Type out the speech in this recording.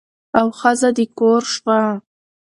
او ښځه د کور شوه.